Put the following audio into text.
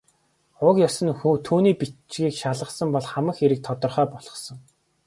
Уг ёс нь түүний бичгийг шалгасан бол хамаг хэрэг тодорхой болохсон.